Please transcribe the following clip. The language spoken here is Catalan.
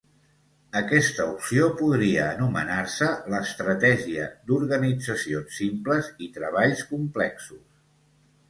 Aquesta opció podria anomenar-se l'estratègia d'"organitzacions simples i treballs complexos".